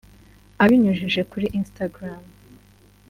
Abinyujije kuri Instagram